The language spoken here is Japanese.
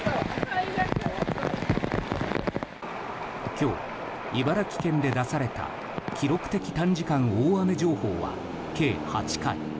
今日、茨城県で出された記録的短時間大雨情報は計８回。